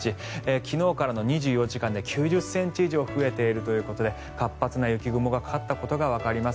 昨日からの２４時間で９０ｃｍ以上増えているということで活発な雪雲がかかったことがわかります。